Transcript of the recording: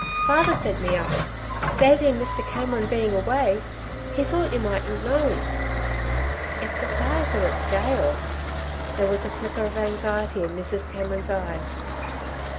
Father sent me up. Davey and Mr. Cameron being away, he thought you mightn't know." "If the fires are at Dale " There was a flicker of anxiety in Mrs. Cameron's eyes.